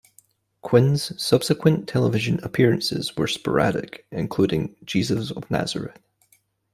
Quinn's subsequent television appearances were sporadic, including "Jesus of Nazareth".